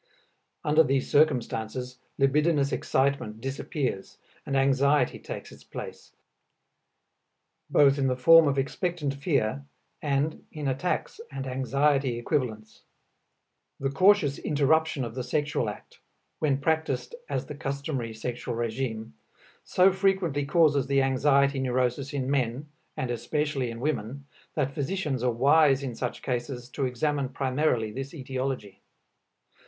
Under these circumstances libidinous excitement disappears and anxiety takes its place, both in the form of expectant fear and in attacks and anxiety equivalents. The cautious interruption of the sexual act, when practiced as the customary sexual regime, so frequently causes the anxiety neurosis in men, and especially in women, that physicians are wise in such cases to examine primarily this etiology.